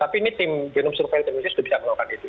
tapi ini tim genom surveil indonesia sudah bisa melakukan itu